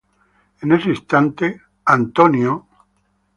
En ese instante, Russel jr.